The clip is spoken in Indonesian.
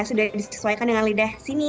sudah disesuaikan dengan lidah sini